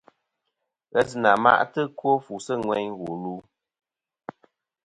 Ghesɨnà ma'tɨ ɨkwo fu sɨ ŋweyn wu lu.